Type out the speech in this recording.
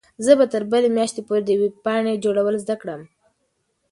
زه به تر بلې میاشتې پورې د ویبپاڼې جوړول زده کړم.